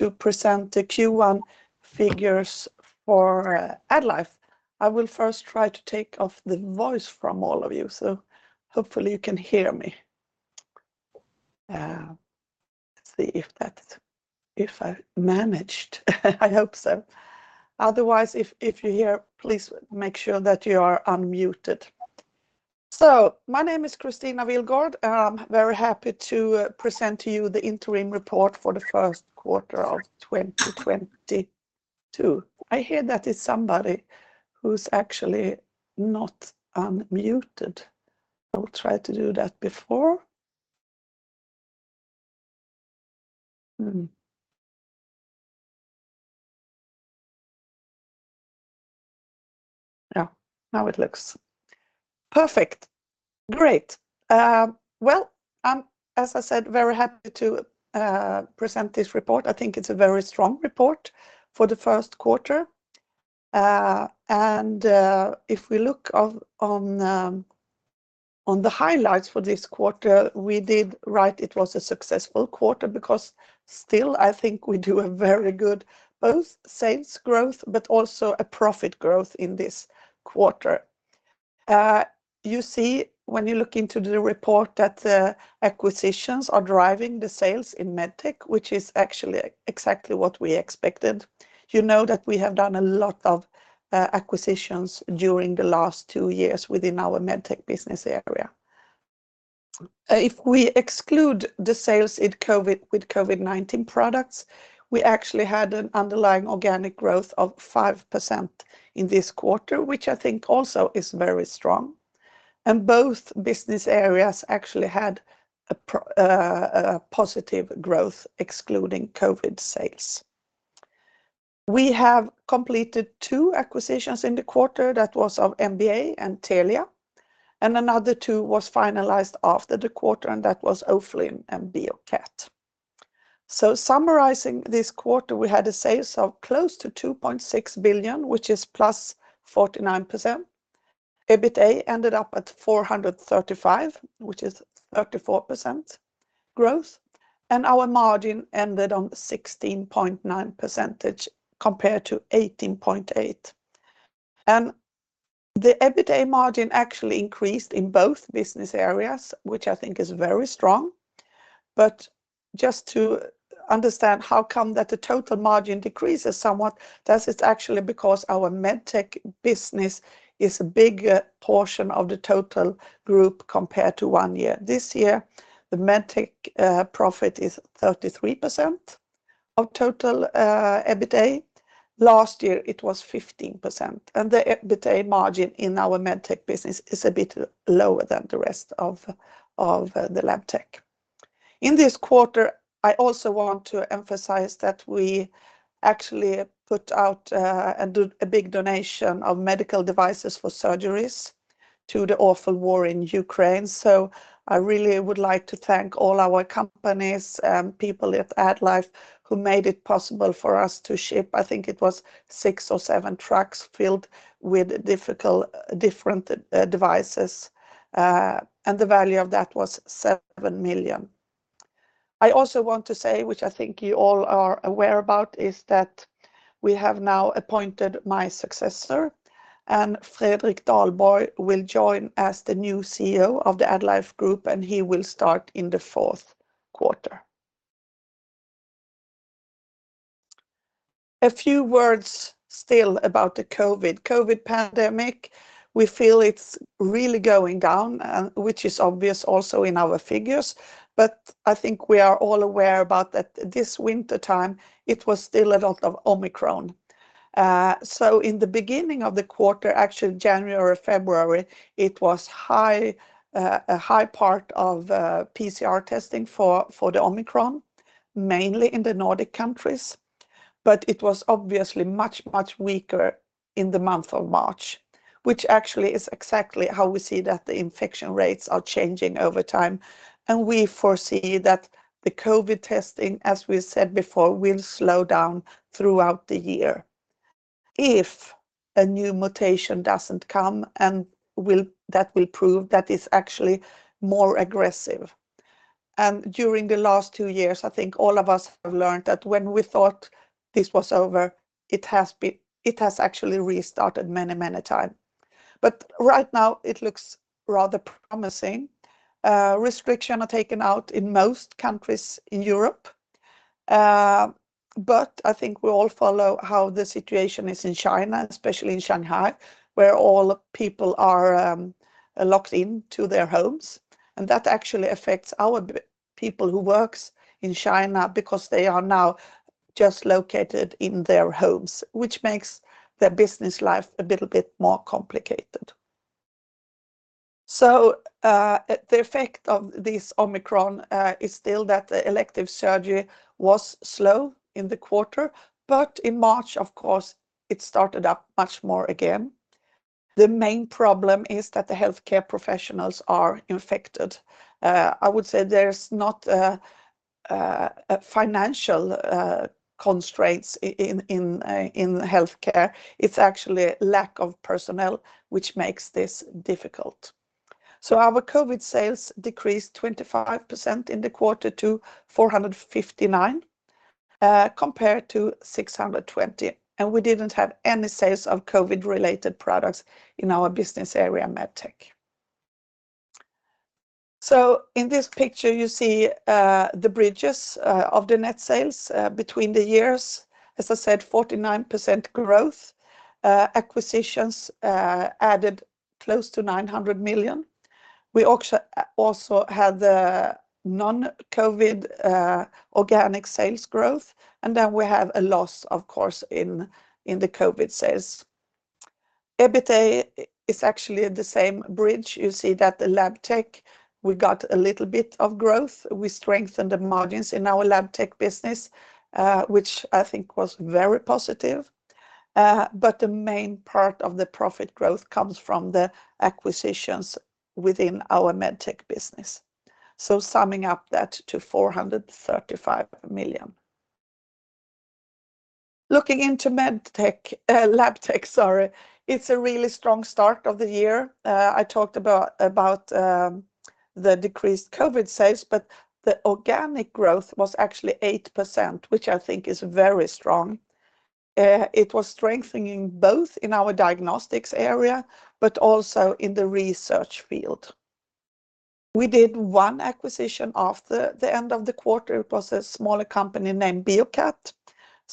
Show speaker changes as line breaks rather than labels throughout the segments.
To present the Q1 figures for AddLife. I will first try to take off the voice from all of you, so hopefully you can hear me. Let's see if that. If I managed. I hope so. Otherwise, if you hear, please make sure that you are unmuted. My name is Kristina Willgård, and I'm very happy to present to you the interim report for the first quarter of 2022. I hear that it's somebody who's actually not unmuted. I will try to do that before. Yeah, now it looks perfect. Great. Well, I'm, as I said, very happy to present this report. I think it's a very strong report for the first quarter. If we look on the highlights for this quarter, we did write it was a successful quarter because still I think we do a very good both sales growth but also a profit growth in this quarter. You see when you look into the report that the acquisitions are driving the sales in Medtech, which is actually exactly what we expected. You know that we have done a lot of acquisitions during the last two years within our Medtech business area. If we exclude the sales in COVID, with COVID-19 products, we actually had an underlying organic growth of 5% in this quarter, which I think also is very strong. Both business areas actually had a positive growth excluding COVID sales. We have completed two acquisitions in the quarter. That was of MBA and Telia. Another two was finalized after the quarter, and that was O'Flynn and BioCat. Summarizing this quarter, we had sales of close to 2.6 billion, which is +49%. EBITA ended up at 435 million, which is 34% growth. Our margin ended on 16.9% compared to 18.8%. The EBITA margin actually increased in both business areas, which I think is very strong. Just to understand how come that the total margin decreases somewhat, that is actually because our Medtech business is a big portion of the total group compared to one year. This year, the Medtech profit is 33% of total EBITA. Last year, it was 15%. The EBITA margin in our Medtech business is a bit lower than the rest of the Labtech. In this quarter, I also want to emphasize that we actually put out and do a big donation of medical devices for surgeries to the awful war in Ukraine. I really would like to thank all our companies and people at AddLife who made it possible for us to ship. I think it was six or seven trucks filled with difficult, different devices. And the value of that was 7 million. I also want to say, which I think you all are aware about, is that we have now appointed my successor, and Fredrik Dalborg will join as the new CEO of the AddLife Group, and he will start in the fourth quarter. A few words still about the COVID pandemic, we feel it's really going down and which is obvious also in our figures. I think we are all aware about that this wintertime it was still a lot of Omicron. In the beginning of the quarter, actually January or February, it was high, a high part of PCR testing for the Omicron, mainly in the Nordic countries. It was obviously much, much weaker in the month of March, which actually is exactly how we see that the infection rates are changing over time. We foresee that the COVID testing, as we said before, will slow down throughout the year if a new mutation doesn't come, that will prove that it's actually more aggressive. During the last two years, I think all of us have learned that when we thought this was over, it has actually restarted many, many times. Right now it looks rather promising. Restrictions are taken out in most countries in Europe. I think we all follow how the situation is in China, especially in Shanghai, where all people are locked in their homes. That actually affects our people who work in China because they are now just located in their homes, which makes their business life a little bit more complicated. The effect of this Omicron is still that the elective surgery was slow in the quarter. In March, of course, it started up much more again. The main problem is that the healthcare professionals are infected. I would say there's not a financial constraint in healthcare. It's actually lack of personnel which makes this difficult. Our COVID sales decreased 25% in the quarter to 459, compared to 620. We didn't have any sales of COVID-related products in our business area, Medtech. In this picture, you see the bridges of the net sales between the years. As I said, 49% growth. Acquisitions added close to 900 million. We also had the non-COVID organic sales growth. Then we have a loss, of course, in the COVID sales. EBITA is actually the same bridge. You see that the Labtech, we got a little bit of growth. We strengthened the margins in our Labtech business, which I think was very positive. The main part of the profit growth comes from the acquisitions within our Medtech business. Summing up that to 435 million. Looking into Medtech, Labtech, sorry, it's a really strong start of the year. I talked about the decreased COVID sales, but the organic growth was actually 8%, which I think is very strong. It was strengthening both in our diagnostics area, but also in the research field. We did one acquisition after the end of the quarter. It was a smaller company named BioCat.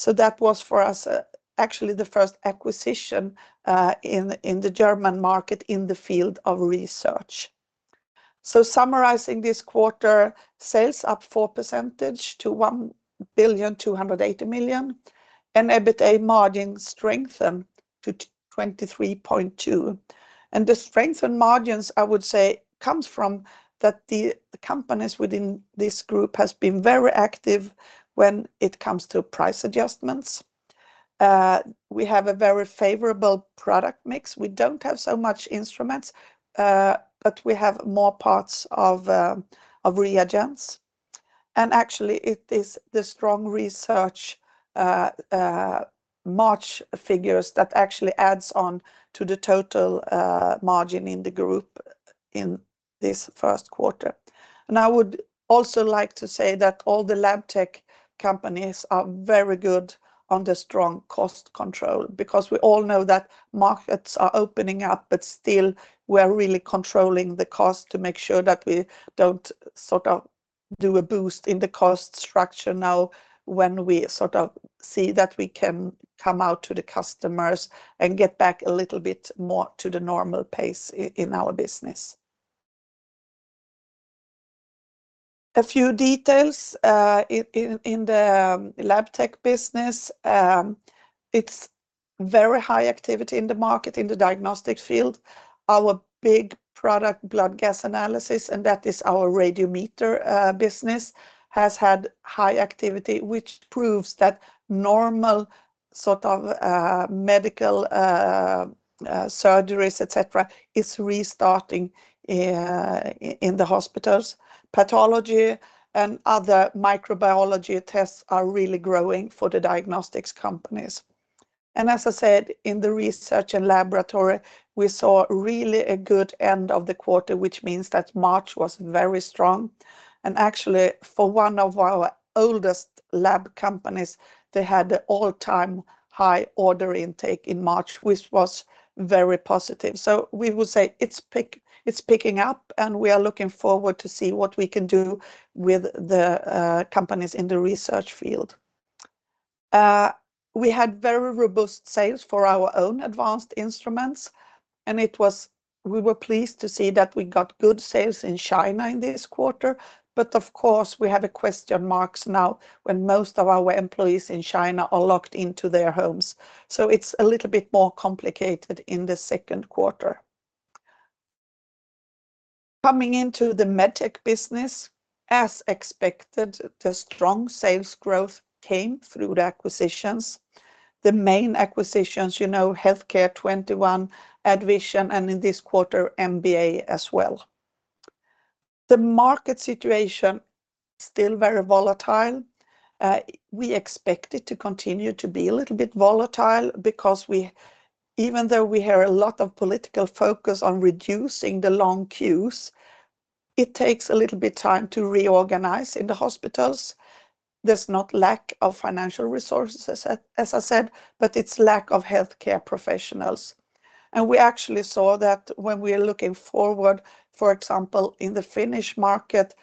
That was for us actually the first acquisition in the German market in the field of research. Summarizing this quarter, sales up 4% to 1,280 million, and EBITA margin strengthened to 23.2%. The strengthened margins, I would say, comes from that the companies within this group has been very active when it comes to price adjustments. We have a very favorable product mix. We don't have so much instruments, but we have more parts of of reagents. Actually, it is the strong research March figures that actually adds on to the total margin in the group in this first quarter. I would also like to say that all the Labtech companies are very good on the strong cost control because we all know that markets are opening up, but still we're really controlling the cost to make sure that we don't sort of do a boost in the cost structure now when we sort of see that we can come out to the customers and get back a little bit more to the normal pace in our business. A few details in the Labtech business. It's very high activity in the market in the diagnostic field. Our big product, blood gas analysis, and that is our Radiometer business, has had high activity, which proves that normal sort of medical surgeries, et cetera, is restarting in the hospitals. Pathology and other microbiology tests are really growing for the diagnostics companies. As I said, in the research and laboratory, we saw really a good end of the quarter, which means that March was very strong. Actually, for one of our oldest lab companies, they had the all-time high order intake in March, which was very positive. We would say it's picking up, and we are looking forward to see what we can do with the companies in the research field. We had very robust sales for our own advanced instruments, and it was. We were pleased to see that we got good sales in China in this quarter. Of course, we have a question marks now when most of our employees in China are locked into their homes. It's a little bit more complicated in the second quarter. Coming into the Medtech business, as expected, the strong sales growth came through the acquisitions. The main acquisitions, you know, Healthcare 21, AddVision, and in this quarter, MBA as well. The market situation, still very volatile. We expect it to continue to be a little bit volatile because even though we hear a lot of political focus on reducing the long queues, it takes a little bit time to reorganize in the hospitals. There's no lack of financial resources, as I said, but it's lack of healthcare professionals. We actually saw that when we're looking forward, for example, in the Finnish market,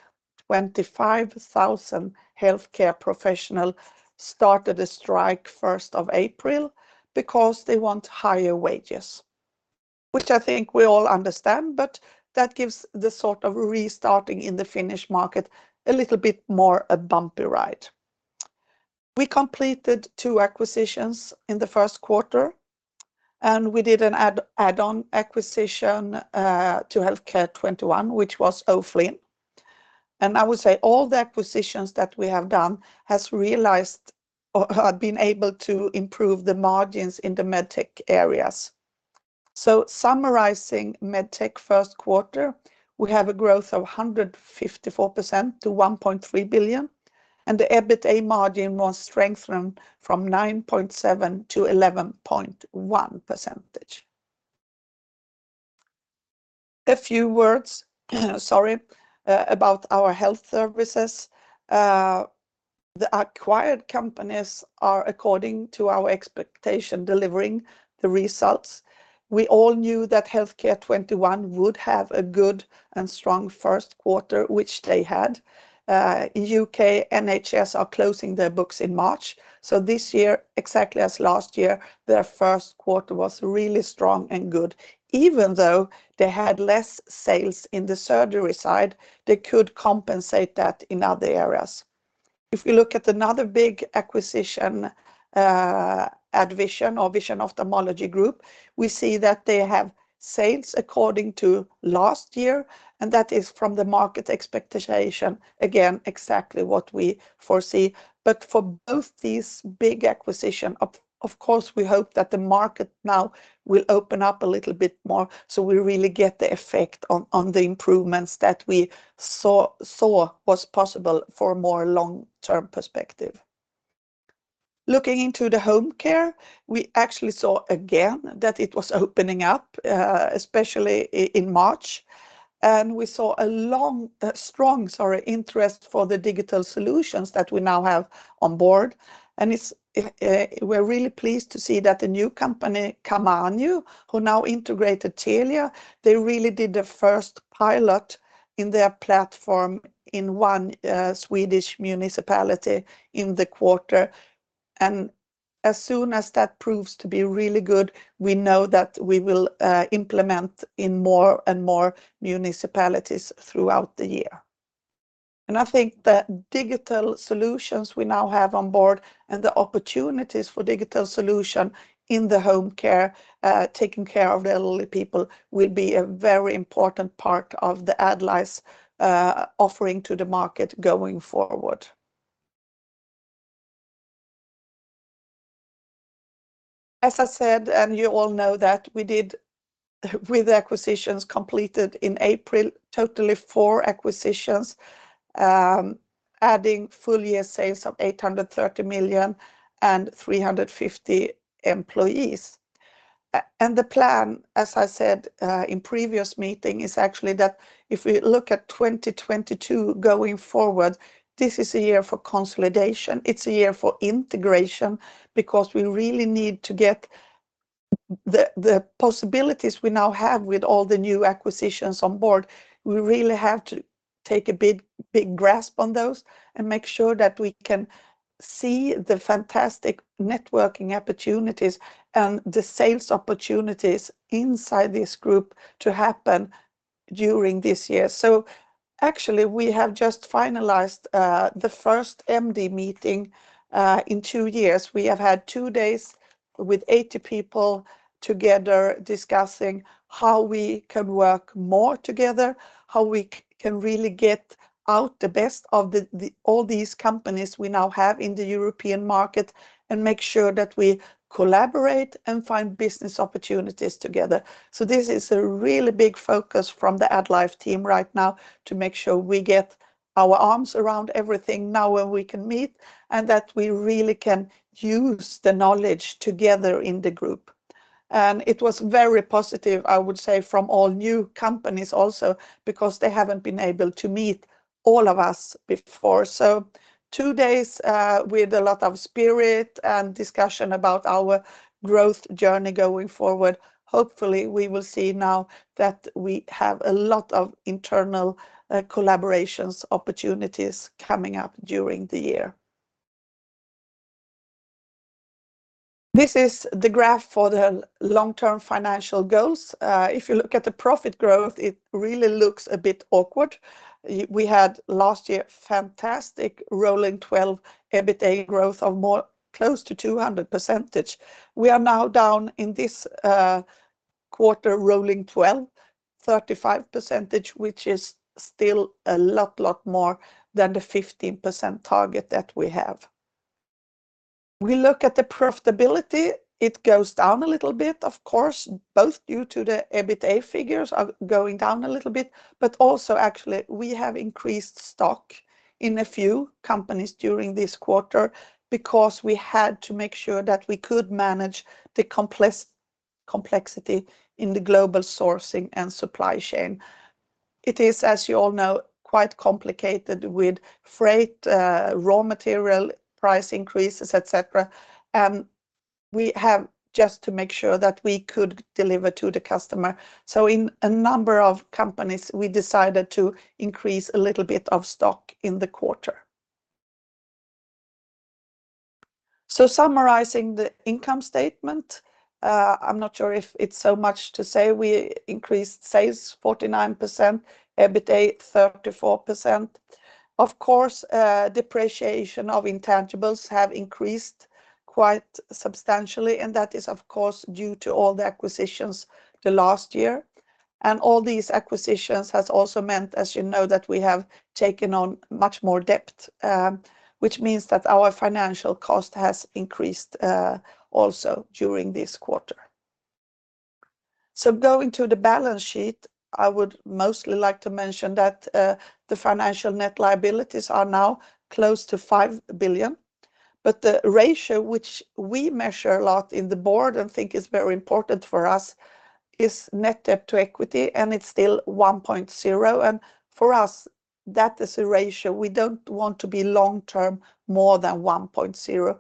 25,000 healthcare professional started a strike first of April because they want higher wages, which I think we all understand, but that gives the sort of restarting in the Finnish market a little bit more a bumpy ride. We completed two acquisitions in the first quarter, and we did an add-on acquisition to Healthcare 21, which was O'Flynn. I would say all the acquisitions that we have done has realized or have been able to improve the margins in the Medtech areas. Summarizing Medtech first quarter, we have a growth of 154% to 1.3 billion. The EBITA margin was strengthened from 9.7% to 11.1%. A few words, sorry, about our health services. The acquired companies are according to our expectation delivering the results. We all knew that Healthcare 21 would have a good and strong first quarter, which they had. U.K. NHS are closing their books in March. This year, exactly as last year, their first quarter was really strong and good. Even though they had less sales in the surgery side, they could compensate that in other areas. If we look at another big acquisition, AddVision or Vision Ophthalmology Group, we see that they have sales according to last year, and that is from the market expectation again exactly what we foresee. For both these big acquisition, of course, we hope that the market now will open up a little bit more so we really get the effect on the improvements that we saw was possible for a more long-term perspective. Looking into the home care, we actually saw again that it was opening up, especially in March, and we saw a strong interest for the digital solutions that we now have on board. We're really pleased to see that the new company, Camanio, who now integrated Telia, they really did the first pilot in their platform in one Swedish municipality in the quarter. As soon as that proves to be really good, we know that we will implement in more and more municipalities throughout the year. I think the digital solutions we now have on board and the opportunities for digital solution in the home care taking care of the elderly people will be a very important part of AddLife's offering to the market going forward. As I said, you all know that we did with acquisitions completed in April, totally four acquisitions, adding full-year sales of 830 million and 350 employees. The plan, as I said, in previous meeting, is actually that if we look at 2022 going forward, this is a year for consolidation. It's a year for integration because we really need to get the possibilities we now have with all the new acquisitions on board. We really have to take a big grasp on those and make sure that we can see the fantastic networking opportunities and the sales opportunities inside this group to happen during this year. Actually, we have just finalized the first MD meeting in years. We have had two days with 80 people together discussing how we can work more together, how we can really get out the best of all these companies we now have in the European market and make sure that we collaborate and find business opportunities together. This is a really big focus from the AddLife team right now to make sure we get our arms around everything now when we can meet and that we really can use the knowledge together in the group. It was very positive, I would say, from all new companies also because they haven't been able to meet all of us before. Two days with a lot of spirit and discussion about our growth journey going forward. Hopefully, we will see now that we have a lot of internal collaborations opportunities coming up during the year. This is the graph for the long-term financial goals. If you look at the profit growth, it really looks a bit awkward. We had last year fantastic rolling twelve EBITA growth of more close to 200%. We are now down in this quarter rolling 12, 35%, which is still a lot more than the 15% target that we have. We look at the profitability, it goes down a little bit, of course, both due to the EBITA figures are going down a little bit. But also actually, we have increased stock in a few companies during this quarter because we had to make sure that we could manage the complexity in the global sourcing and supply chain. It is, as you all know, quite complicated with freight, raw material price increases, et cetera. We have just to make sure that we could deliver to the customer. In a number of companies, we decided to increase a little bit of stock in the quarter. Summarizing the income statement, I'm not sure if it's so much to say. We increased sales 49%, EBITDA 34%. Of course, depreciation of intangibles have increased quite substantially, and that is, of course, due to all the acquisitions the last year. All these acquisitions has also meant, as you know, that we have taken on much more debt, which means that our financial cost has increased, also during this quarter. Going to the balance sheet, I would mostly like to mention that, the financial net liabilities are now close to 5 billion. The ratio which we measure a lot in the board and think is very important for us is net debt to equity, and it's still 1.0. For us, that is a ratio we don't want to be long term more than 1.0.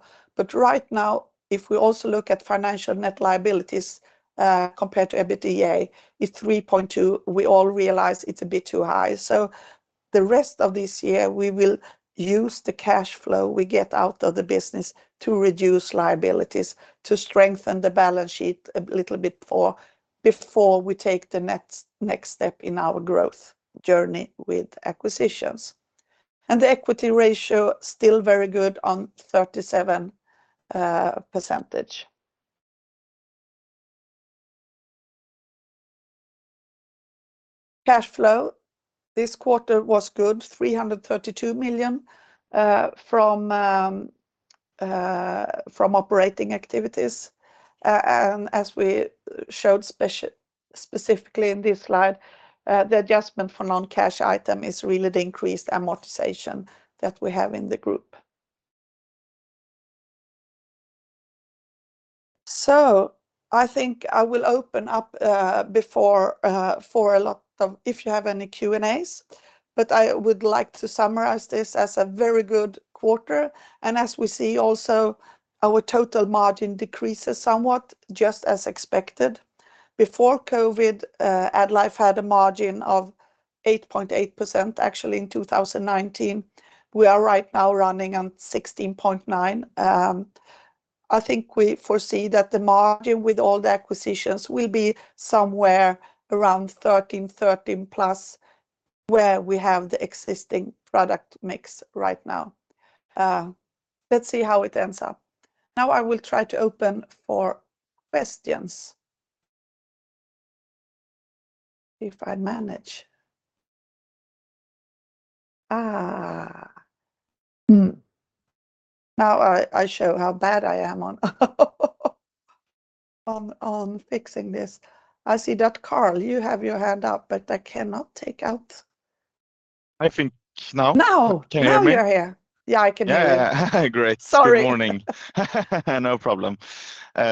Right now, if we also look at financial net liabilities compared to EBITDA, it's 3.2. We all realize it's a bit too high. The rest of this year, we will use the cash flow we get out of the business to reduce liabilities, to strengthen the balance sheet a little bit before we take the next step in our growth journey with acquisitions. The equity ratio still very good on 37%. Cash flow this quarter was good, 332 million from operating activities. As we showed specifically in this slide, the adjustment for non-cash item is really the increased amortization that we have in the group. I think I will open up for a lot of Q&As if you have any. I would like to summarize this as a very good quarter. As we see also, our total margin decreases somewhat just as expected. Before COVID, AddLife had a margin of 8.8% actually in 2019. We are right now running on 16.9%. I think we foresee that the margin with all the acquisitions will be somewhere around 13+, where we have the existing product mix right now. Let's see how it ends up. Now I will try to open for questions. If I manage. Now I show how bad I am on fixing this. I see that Karl, you have your hand up, but I cannot take out.
I think now.
Now.
Can you hear me?
Now you're here. Yeah, I can hear you.
Yeah. Great.
Sorry.
Good morning. No problem.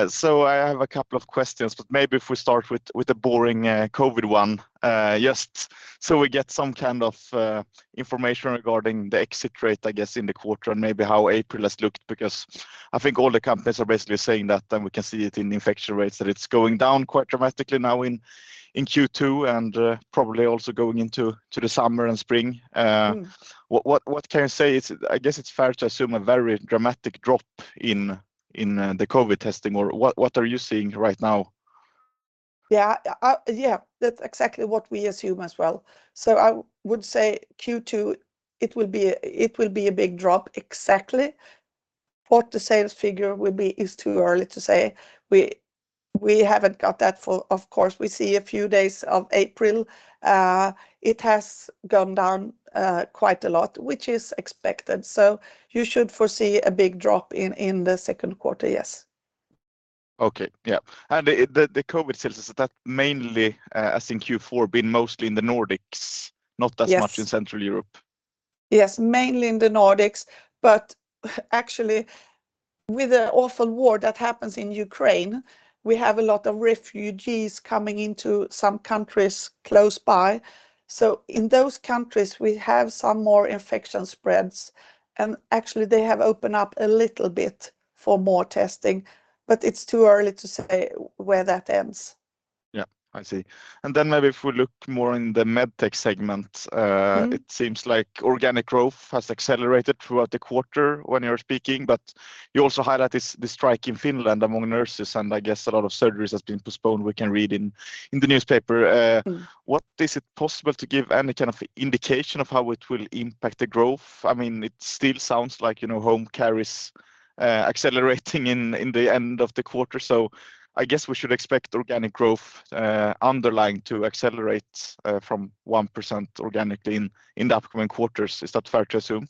So I have a couple of questions, but maybe if we start with the boring COVID one, just so we get some kind of information regarding the exit rate, I guess, in the quarter and maybe how April has looked. Because I think all the companies are basically saying that, and we can see it in the infection rates, that it's going down quite dramatically now in Q2 and probably also going into the summer and spring. What can you say? I guess it's fair to assume a very dramatic drop in the COVID testing or what are you seeing right now?
Yeah. Yeah, that's exactly what we assume as well. I would say Q2, it will be a big drop. Exactly what the sales figure will be is too early to say. We haven't got that full. Of course, we see a few days of April, it has gone down quite a lot, which is expected. You should foresee a big drop in the second quarter, yes.
Okay. Yeah. The COVID sales, is that mainly, as in Q4, been mostly in the Nordics?
Yes.
Not as much in Central Europe?
Yes, mainly in the Nordics. Actually, with the awful war that happens in Ukraine, we have a lot of refugees coming into some countries close by. In those countries, we have some more infection spreads, and actually they have opened up a little bit for more testing, but it's too early to say where that ends.
Yeah. I see. Maybe if we look more in the Medtech segment.
Mm-hmm.
It seems like organic growth has accelerated throughout the quarter when you're speaking, but you also highlight this, the strike in Finland among nurses, and I guess a lot of surgeries has been postponed. We can read in the newspaper.
Mm.
What is it possible to give any kind of indication of how it will impact the growth? I mean, it still sounds like, you know, home care is accelerating in the end of the quarter. I guess we should expect organic growth underlying to accelerate from 1% organically in the upcoming quarters. Is that fair to assume?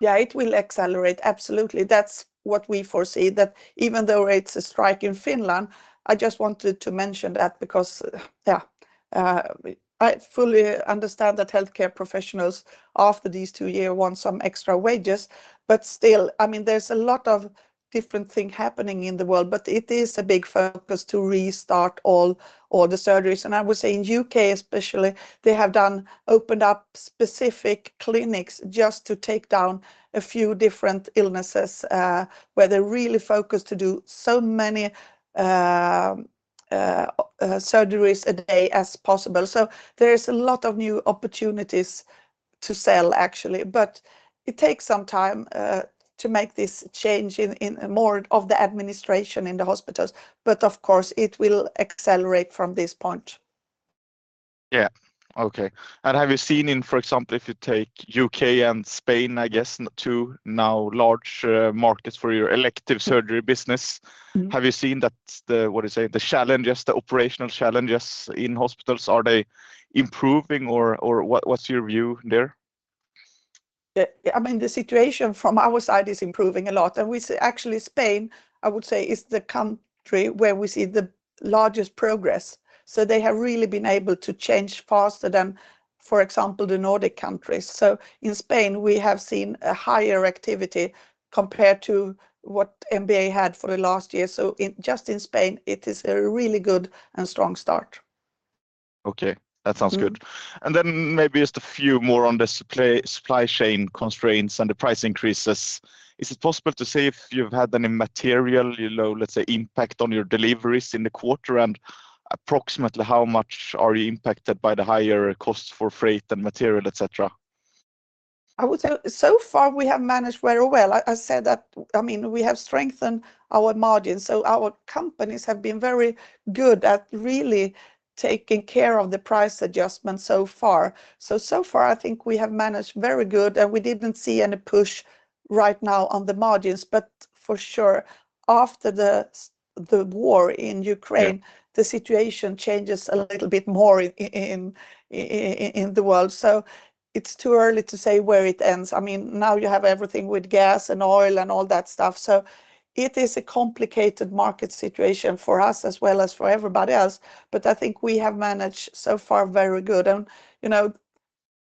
Yeah. It will accelerate, absolutely. That's what we foresee, that even though it's a strike in Finland, I just wanted to mention that because, yeah, I fully understand that healthcare professionals after these two years want some extra wages. Still, I mean, there's a lot of different things happening in the world, but it is a big focus to restart all the surgeries. I would say in the U.K. especially, they have opened up specific clinics just to take down a few different illnesses, where they really focus to do so many surgeries a day as possible. There is a lot of new opportunities to sell actually. It takes some time to make this change in more of the administration in the hospitals. Of course, it will accelerate from this point.
Yeah. Okay. Have you seen in, for example, if you take U.K and Spain, I guess two now large markets for your elective surgery business-
Mm-hmm.
Have you seen that the, what to say, the challenges, the operational challenges in hospitals, are they improving or what's your view there?
I mean, the situation from our side is improving a lot. Actually, Spain, I would say, is the country where we see the largest progress. They have really been able to change faster than, for example, the Nordic countries. In Spain, we have seen a higher activity compared to what MBA had for the last year. Just in Spain, it is a really good and strong start.
Okay. That sounds good.
Mm-hmm.
Maybe just a few more on the supply chain constraints and the price increases. Is it possible to say if you've had any material, you know, let's say, impact on your deliveries in the quarter? Approximately how much are you impacted by the higher costs for freight and material, et cetera?
I would say so far we have managed very well. I said that, I mean, we have strengthened our margins, so our companies have been very good at really taking care of the price adjustment so far. so far I think we have managed very good, and we didn't see any push right now on the margins, but for sure after the war in Ukraine.
Yeah
The situation changes a little bit more in the world. It's too early to say where it ends. I mean, now you have everything with gas and oil and all that stuff. It is a complicated market situation for us as well as for everybody else. But I think we have managed so far very good. You know,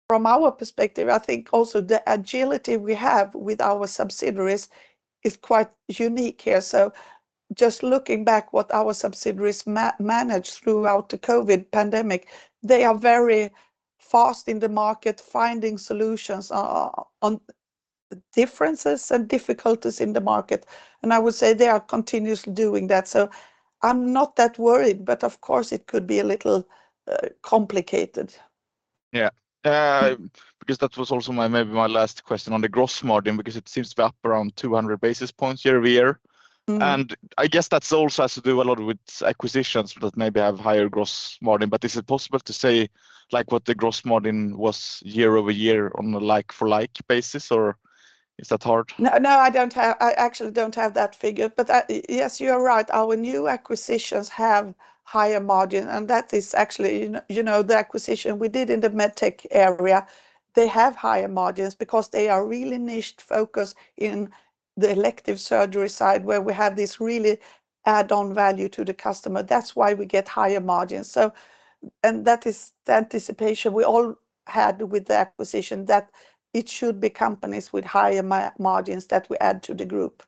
from our perspective, I think also the agility we have with our subsidiaries is quite unique here. Just looking back what our subsidiaries managed throughout the COVID pandemic, they are very fast in the market, finding solutions on differences and difficulties in the market, and I would say they are continuously doing that. I'm not that worried, but of course it could be a little complicated.
Yeah. Because that was also my, maybe my last question on the gross margin, because it seems to be up around 200 basis points year-over-year.
Mm-hmm.
I guess that also has to do a lot with acquisitions that maybe have higher gross margin. Is it possible to say, like, what the gross margin was year-over-year on a like-for-like basis, or is that hard?
No, I actually don't have that figure, but yes, you are right. Our new acquisitions have higher margin, and that is actually in, you know, the acquisition we did in the Medtech area. They have higher margins because they are really niched focused in the elective surgery side where we have this really add-on value to the customer. That's why we get higher margins. That is the anticipation we all had with the acquisition, that it should be companies with higher margins that we add to the group.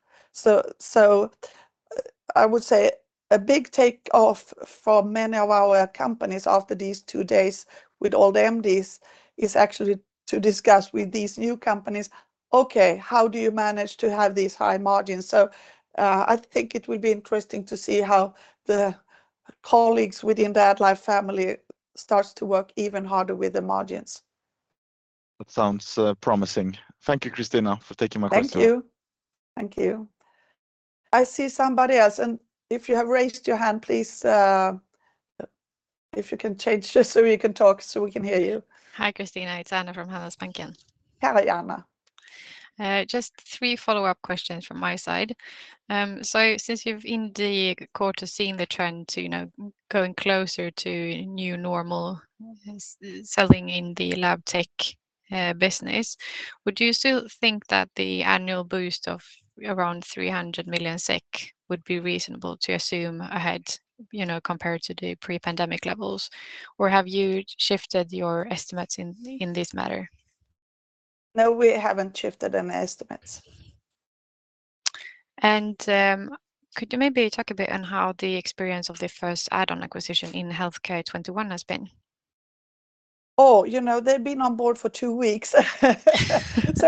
I would say a big takeoff for many of our companies after these two days with all the MDs is actually to discuss with these new companies, okay, how do you manage to have these high margins? I think it will be interesting to see how the colleagues within the AddLife family starts to work even harder with the margins.
That sounds promising. Thank you, Kristina, for taking my questions.
Thank you. Thank you. I see somebody else, and if you have raised your hand, please, if you can change just so you can talk so we can hear you.
Hi, Kristina. It's Anna from Handelsbanken.
Hello, Anna.
Just three follow-up questions from my side. Since you've in the quarter seen the trend to, you know, going closer to new normal selling in the Labtech business, would you still think that the annual boost of around 300 million SEK would be reasonable to assume ahead, you know, compared to the pre-pandemic levels? Or have you shifted your estimates in this matter?
No, we haven't shifted any estimates.
Could you maybe talk a bit on how the experience of the first add-on acquisition in Healthcare 21 has been?
Oh, you know, they've been on board for two weeks, so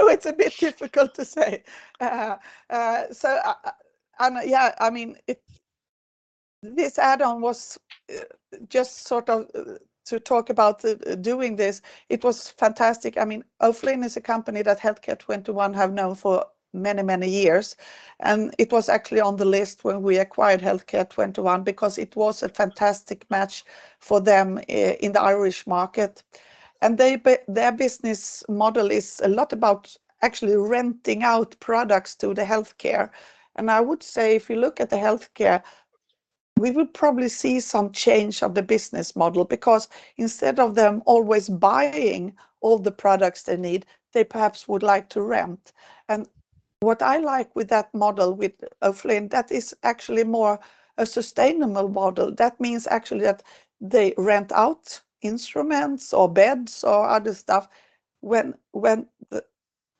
it's a bit difficult to say. Yeah, I mean, this add-on was just sort of to talk about the doing this, it was fantastic. I mean, O'Flynn is a company that Healthcare 21 have known for many, many years, and it was actually on the list when we acquired Healthcare 21 because it was a fantastic match for them in the Irish market. Their business model is a lot about actually renting out products to the healthcare. I would say if you look at the healthcare, we will probably see some change of the business model because instead of them always buying all the products they need, they perhaps would like to rent. What I like with that model with O'Flynn, that is actually more a sustainable model. That means actually that they rent out instruments or beds or other stuff. When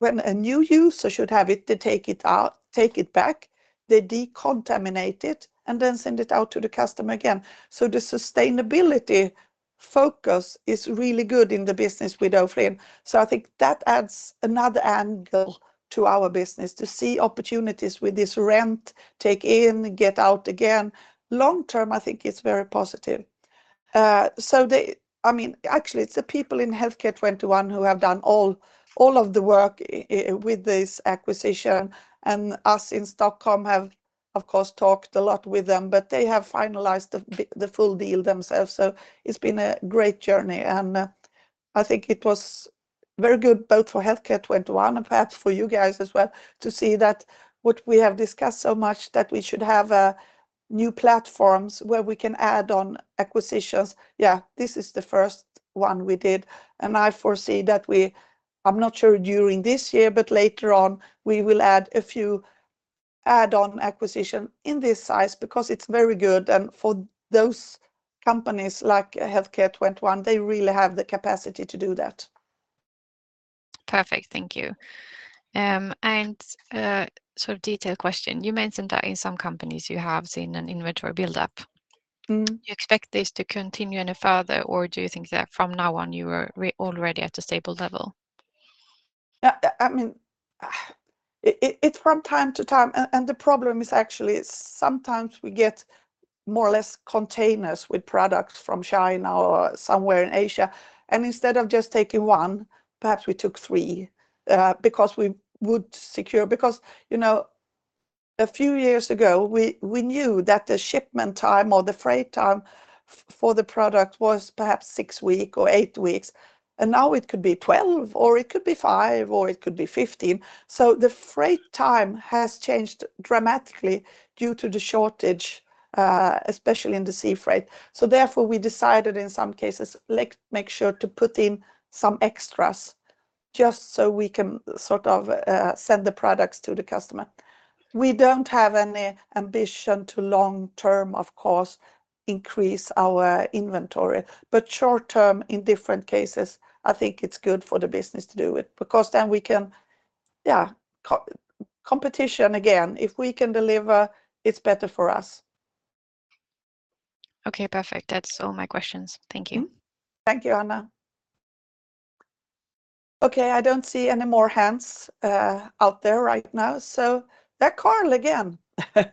a new user should have it, they take it out, take it back, they decontaminate it, and then send it out to the customer again. The sustainability focus is really good in the business with O'Flynn. I think that adds another angle to our business to see opportunities with this rent, take in, get out again. Long term, I think it's very positive. They, I mean, actually it's the people in Healthcare 21 who have done all of the work with this acquisition. Us in Stockholm have, of course, talked a lot with them, but they have finalized the full deal themselves, so it's been a great journey, and I think it was very good both for Healthcare 21 and perhaps for you guys as well to see that what we have discussed so much, that we should have a new platforms where we can add on acquisitions. Yeah, this is the first one we did, and I foresee that we, I'm not sure during this year, but later on we will add a few add-on acquisition in this size because it's very good. For those companies like Healthcare 21, they really have the capacity to do that.
Perfect. Thank you. Sort of detailed question. You mentioned that in some companies you have seen an inventory build up.
Mm.
Do you expect this to continue any further, or do you think that from now on you are already at a stable level?
Yeah. I mean, it's from time to time. The problem is actually sometimes we get more or less containers with products from China or somewhere in Asia, and instead of just taking one, perhaps we took three, because we would secure. Because, you know, a few years ago, we knew that the shipment time or the freight time for the product was perhaps six weeks or eight weeks, and now it could be 12, or it could be five, or it could be 15. The freight time has changed dramatically due to the shortage, especially in the sea freight. Therefore we decided in some cases, let's make sure to put in some extras just so we can sort of send the products to the customer. We don't have any ambition to long term, of course, increase our inventory. Short term, in different cases, I think it's good for the business to do it because then we can. Yeah, coopetition again. If we can deliver, it's better for us.
Okay. Perfect. That's all my questions. Thank you.
Thank you, Anna. Okay, I don't see any more hands out there right now, so there Karl again.
No,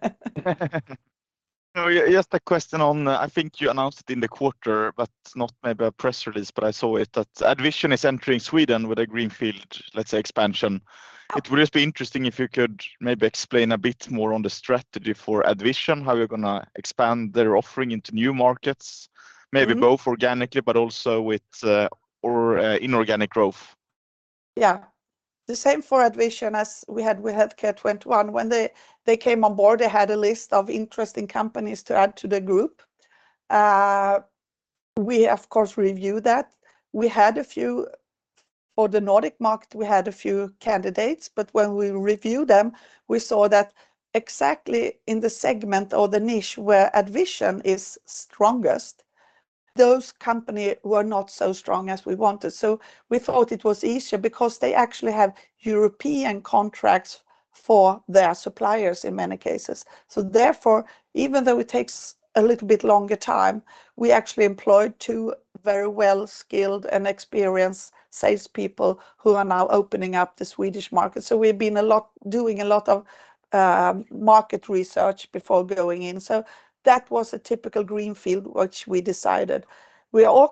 yeah, just a question on, I think you announced it in the quarter, but it's not maybe a press release, but I saw it, that AddVision is entering Sweden with a greenfield, let's say, expansion. It would just be interesting if you could maybe explain a bit more on the strategy for AddVision, how you're gonna expand their offering into new markets?
Mm
Maybe both organically but also inorganic growth.
Yeah. The same for AddVision as we had with Healthcare 21. When they came on board, they had a list of interesting companies to add to the group. We of course reviewed that. For the Nordic market, we had a few candidates, but when we reviewed them, we saw that exactly in the segment or the niche where AddVision is strongest, those companies were not so strong as we wanted. We thought it was easier because they actually have European contracts for their suppliers in many cases. Therefore, even though it takes a little bit longer time, we actually employed two very well skilled and experienced salespeople who are now opening up the Swedish market. We've been doing a lot of market research before going in. That was a typical greenfield, which we decided. We are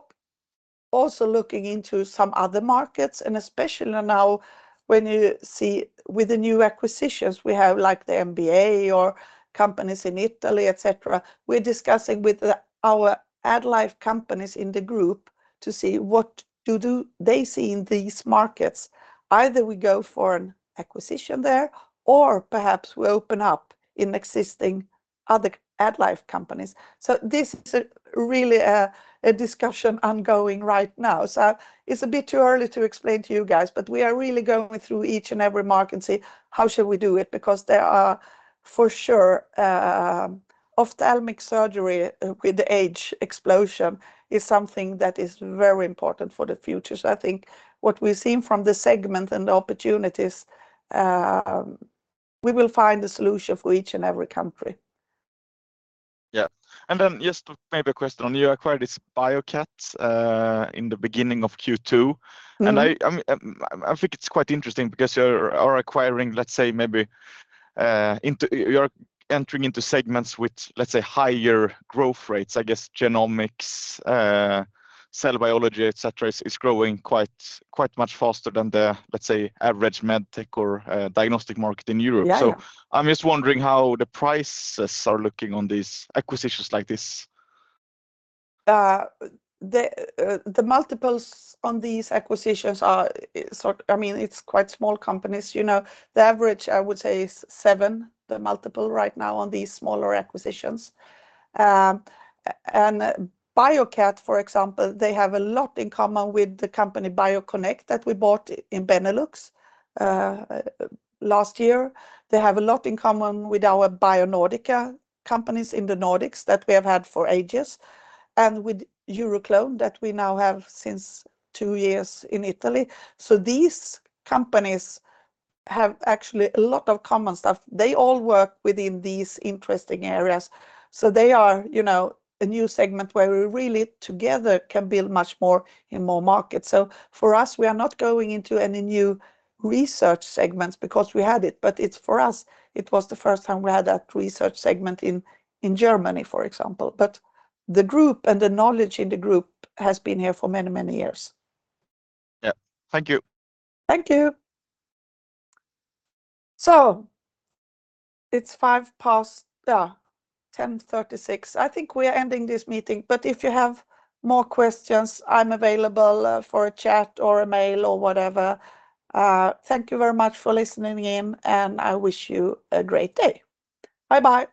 also looking into some other markets, and especially now when you see with the new acquisitions we have, like the MBA or companies in Italy, et cetera, we're discussing with our AddLife companies in the group to see what to do. They see in these markets either we go for an acquisition there, or perhaps we open up in existing other AddLife companies. This is really a discussion ongoing right now. It's a bit too early to explain to you guys, but we are really going through each and every market and say, "How should we do it?" Because there are for sure ophthalmic surgery with the age explosion is something that is very important for the future. I think what we've seen from the segment and the opportunities, we will find a solution for each and every country.
Yeah. Just maybe a question on you acquired this BioCat in the beginning of Q2.
Mm.
I think it's quite interesting because you're acquiring, let's say maybe, you're entering into segments with, let's say, higher growth rates. I guess genomics, cell biology, et cetera, is growing quite much faster than the, let's say, average med tech or, diagnostic market in Europe.
Yeah, yeah.
I'm just wondering how the prices are looking on these acquisitions like this.
The multiples on these acquisitions are. I mean, it's quite small companies. You know, the average, I would say, is seven, the multiple right now on these smaller acquisitions. BioCat, for example, they have a lot in common with the company Bio-Connect that we bought in Benelux last year. They have a lot in common with our BioNordika companies in the Nordics that we have had for ages, and with EuroClone that we now have since two years in Italy. These companies have actually a lot of common stuff. They all work within these interesting areas, so they are, you know, a new segment where we really together can build much more in more markets. For us, we are not going into any new research segments because we had it. It's, for us, it was the first time we had that research segment in Germany, for example. The group and the knowledge in the group has been here for many, many years.
Yeah. Thank you.
Thank you. It's five past. Yeah, 10:36. I think we are ending this meeting, but if you have more questions, I'm available for a chat or a mail or whatever. Thank you very much for listening in, and I wish you a great day. Bye-bye.